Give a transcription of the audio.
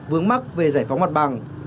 vướng mắt về giải phóng mặt bằng